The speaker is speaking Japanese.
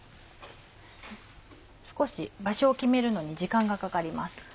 少し場所を決めるのに時間がかかります。